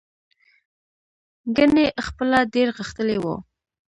ګنې خپله ډېر غښتلی و.